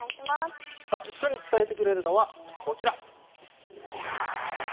さあ、一緒に伝えてくれるのは、こちら。